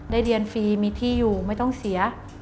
เรียนฟรีมีที่อยู่ไม่ต้องเสีย